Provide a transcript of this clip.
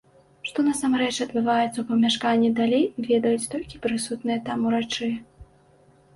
Што насамрэч адбываецца ў памяшканні далей, ведаюць толькі прысутныя там урачы.